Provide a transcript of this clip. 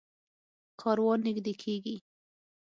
کاروان نږدې کېږي.